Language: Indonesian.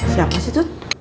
siapa sih tuh